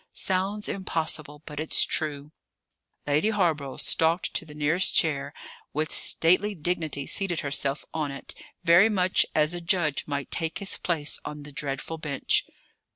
Sounds impossible; but it's true!" Lady Hawborough stalked to the nearest chair and, with stately dignity seated herself on it, very much as a judge might take his place on the dreadful bench.